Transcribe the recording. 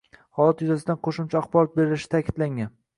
Holat yuzasidan qo‘shimcha axborot berilishi ta’kidlangan